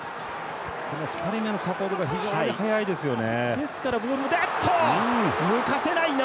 ２人目のサポートが非常に速いですよね。